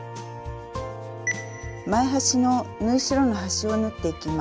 前端の縫い代の端を縫っていきます。